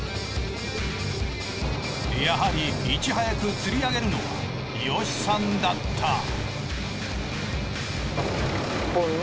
やはりいち早く釣り上げるのはヨシさんだった。